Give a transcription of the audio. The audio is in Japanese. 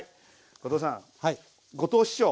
後藤さん後藤師匠